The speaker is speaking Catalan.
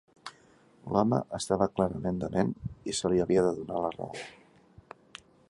L'home estava clarament dement i se li havia de donar la raó.